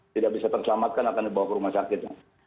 tidak bisa terselamatkan akan dibawa ke rumah sakit